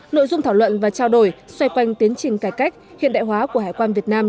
nội dung thảo luận và trao đổi xoay quanh tiến trình cải cách hiện đại hóa của hải quan việt nam